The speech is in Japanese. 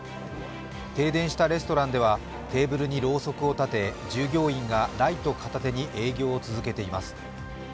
停電したレストランではテーブルにろうそくを立て従業員がライトを片手に営業を続けています。